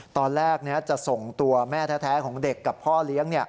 ตอนแรกจะส่งตัวแม่แท้ของเด็กกับพ่อเลี้ยง